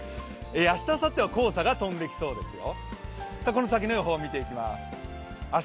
明日あさっては黄砂が飛んできそうですよ。